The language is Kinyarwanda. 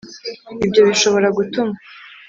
Ibyo bishobora gutuma